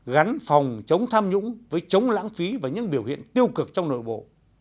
gắn phòng chống tham nhũng với chống lãng phí và những biểu hiện tiêu cực trong nội bộ